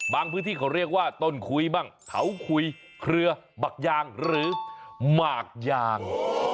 พื้นที่เขาเรียกว่าต้นคุ้ยบ้างเถาคุยเครือบักยางหรือหมากยาง